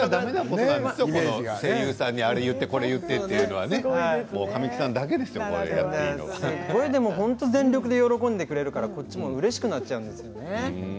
声優さんにあれ、言ってこれ言ってというのは本当に全力で喜んでくれるからこっちもうれしくなっちゃうんですよね。